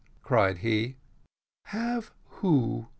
cried he. "Have who?"